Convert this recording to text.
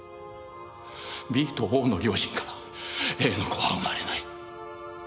ＢとＯの両親からＡの子は生まれない。